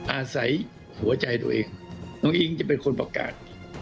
อาศัยหัวใจตัวเองน้องอิ๊งจะเป็นคนประกาศ